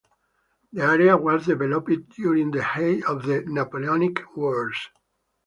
The area was developed during the height of the Napoleonic Wars.